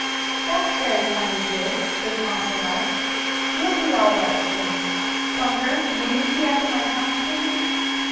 "That's very kind of you," his aunt remarked. "We'll be all right soon. Bunker, will you see after my trunk, please?"